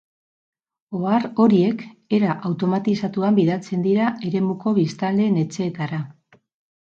Ohar horiek era automatizatuan bidaltzen dira eremuko biztanleen etxeetara.